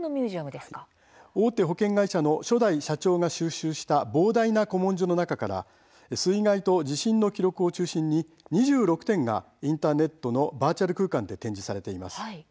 大手保険会社の初代社長が収集した膨大な古文書の中から水害と地震の記録を中心に２６点がインターネットのバーチャル空間で展示されています。